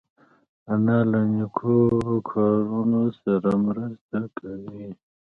انا له نیکو کارونو سره مرسته کوي